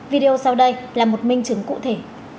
video sau đây là một minh chứng cụ thể